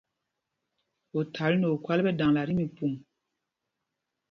Othǎl nɛ okhwâl ɓɛ daŋla tí mípûm.